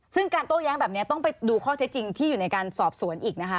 ซึ่งการโต้แย้งแบบนี้ต้องไปดูข้อเท็จจริงที่อยู่ในการสอบสวนอีกนะคะ